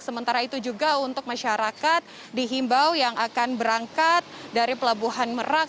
sementara itu juga untuk masyarakat dihimbau yang akan berangkat dari pelabuhan merak